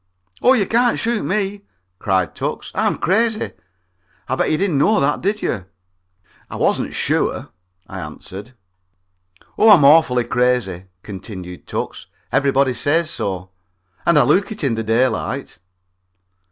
"Oh, you can't shoot me," cried Tucks, "I'm crazy. I bet you didn't know that, did you?" "I wasn't sure," I answered. "Oh, I'm awfully crazy," continued Tucks, "everybody says so, and I look it, too, in the daylight."